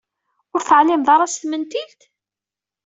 Ur teɛlimeḍ ara s tmentilt?